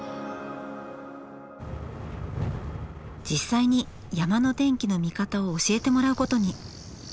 実際に山の天気の見方を教えてもらうことに。